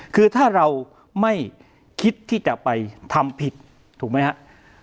คือถ้าเราไม่คิดที่จะไปทำผิดถูกไหมครับ